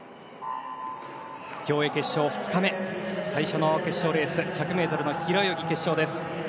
競泳決勝２日目最初の決勝レース平泳ぎ１００ｍの決勝です。